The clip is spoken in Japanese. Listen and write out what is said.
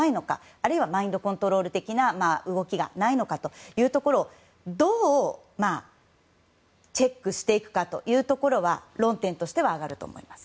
あるいはマインドコントロール的な動きがないのかというところをどうチェックしていくかというところは論点としては上がると思います。